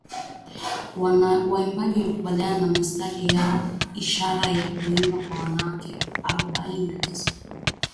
waimbaji kukabiliana na mistari yao ni ishara ya kuimba kwa wanawake Arobaini na tisa